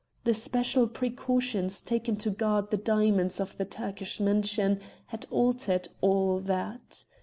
The special precautions taken to guard the diamonds of the Turkish mission had altered all that.